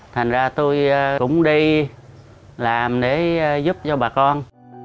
thành ra tôi cũng đi làm để giúp cho bà con